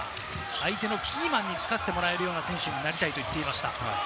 相手のキーマンにつかせてもらうような選手になりたいと話していました。